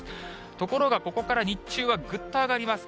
ところがここから日中はぐっと上がります。